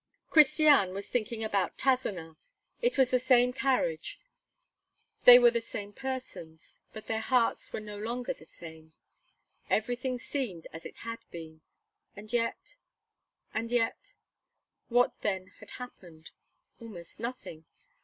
Christiane was thinking about Tazenat. It was the same carriage; they were the same persons; but their hearts were no longer the same. Everything seemed as it had been and yet? and yet? What then had happened? Almost nothing.